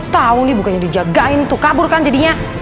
tahu nih bukannya dijagain tuh kabur kan jadinya